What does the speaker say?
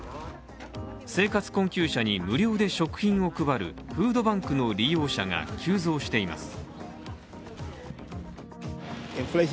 生活困窮者に無料で食品を配るフードバンクの利用者が急増しています。